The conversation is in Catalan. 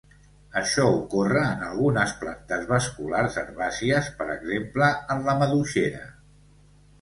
Això ocorre en algunes plantes vasculars herbàcies, per exemple en la maduixera.